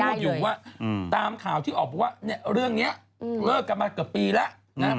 พูดอยู่ว่าตามข่าวที่ออกมาว่าเรื่องนี้เลิกกันมาเกือบปีแล้วนะ